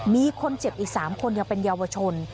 มีคนเจ็บอีก๓คนยังเป็นเยาวชน